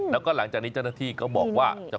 แล้วก็หลังจากนี้เจ้าหน้าที่ก็บอกว่า